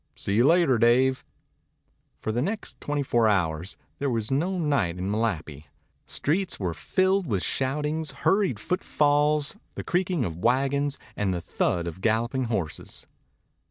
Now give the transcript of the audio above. See you later, Dave." For the next twenty four hours there was no night in Malapi. Streets were filled with shoutings, hurried footfalls, the creaking of wagons, and the thud of galloping horses.